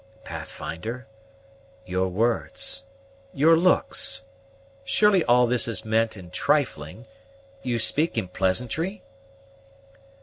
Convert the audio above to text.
"Pathfinder, your words, your looks: surely all this is meant in trifling; you speak in pleasantry?"